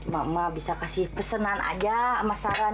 mama bisa kasih pesenan aja sama saran